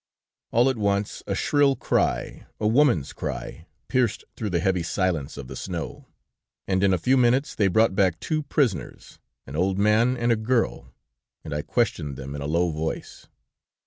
"All at once a shrill cry, a woman's cry, pierced through the heavy silence of the snow, and in a few minutes they brought back two prisoners, an old man and a girl, and I questioned them in a low voice.